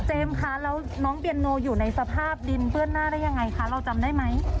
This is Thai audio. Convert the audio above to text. คะแล้วน้องเบียนโนอยู่ในสภาพดินเปื้อนหน้าได้ยังไงคะเราจำได้ไหม